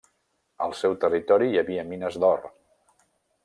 El seu territori hi havia mines d'or.